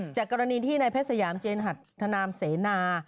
จากกรณีที่ในแพทย์สยามเจนฮัตถานามเสนา